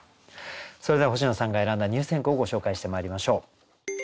それでは星野さんが選んだ入選句をご紹介してまいりましょう。